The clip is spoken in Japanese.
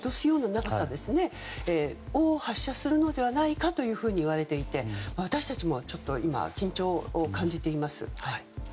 ミサイルを発射するのではないかといわれていて私たちもちょっと今緊張を感じています。